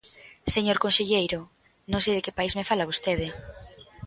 Señor conselleiro, non sei de que país me fala vostede.